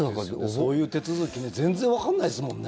そういう手続きも全然わかんないですもんね。